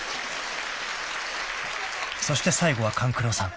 ［そして最後は勘九郎さん］